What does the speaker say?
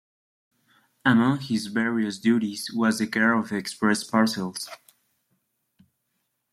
Among his various duties was the care of express parcels.